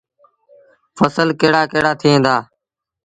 ڦسل ڪهڙآ ڪهڙآ ٿئيٚݩ دآ۔